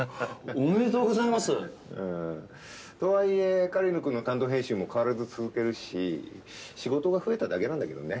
おめでとうございます！とはいえ狩野くんの担当編集も変わらず続けるし仕事が増えただけなんだけどね。